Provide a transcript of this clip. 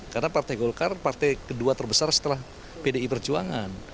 karena partai golkar partai kedua terbesar setelah pdi perjuangan